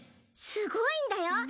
すごいんだよ。